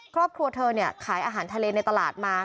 ครอบครัวเธอขายอาหารทะเลในตลาดมา